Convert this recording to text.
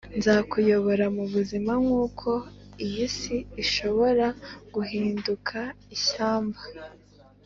nzakuyobora mubuzima, nkuko iyi si ishobora guhinduka ishyamba,